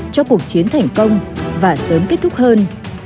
cho cuộc chiến thành công và sớm kết thúc hơn